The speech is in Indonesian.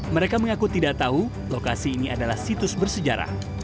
mereka mengaku tidak tahu lokasi ini adalah situs bersejarah